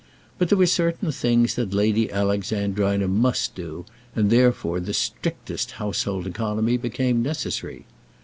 But there were certain things that Lady Alexandrina must do, and therefore the strictest household economy became necessary.